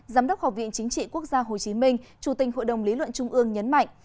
giám đốc học viện chính trị quốc gia hồ chí minh chủ tình hội đồng lý luận trung ương nhấn mạnh